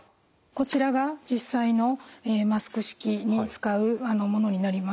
こちらが実際のマスク式に使うものになります。